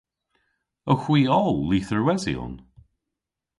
Owgh hwi oll lytherwesyon?